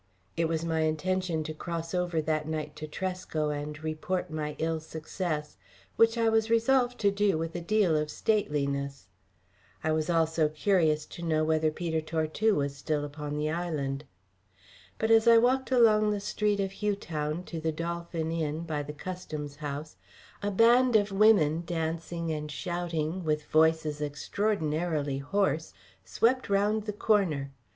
It was my intention to cross over that night to Tresco and report my ill success, which I was resolved to do with a deal of stateliness. I was also curious to know whether Peter Tortue was still upon the island. But as I walked along the street of Hugh Town to the "Dolphin" Inn, by the Customs House, a band of women dancing and shouting, with voices extraordinarily hoarse, swept round the corner.